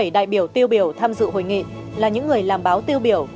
một trăm tám mươi bảy đại biểu tiêu biểu tham dự hội nghị là những người làm báo tiêu biểu